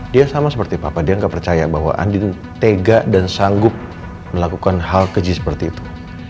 dia sama seperti papa dia nggak percaya bahwa andi itu tega dan sanggup melakukan hal keji seperti itu